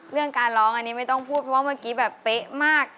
เรื่องการร้องอันนี้ไม่ต้องพูดเพราะว่าเมื่อกี้แบบเป๊ะมาก